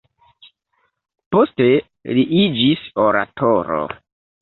Poste li iĝis oratoro.